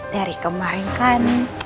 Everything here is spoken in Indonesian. dari kemarin kan